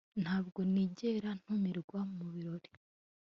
ntabwo nigera ntumirwa mubirori